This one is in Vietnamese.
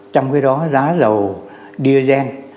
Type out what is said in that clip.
trong cái đó giá dầu diesel